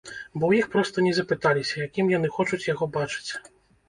Бо ў іх проста не запыталіся, якім яны хочуць яго бачыць.